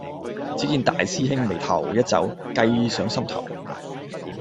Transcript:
只見大師兄眉頭一皺，計上心頭